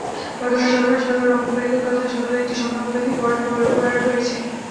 বর্তমানে সদর হাসপাতালে রংপুর মেডিকেল কলেজ হাসপাতালের একটি সংক্রামক ব্যাধি ওয়ার্ড রয়েছে।